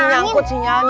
kali nyangkut sinyalnya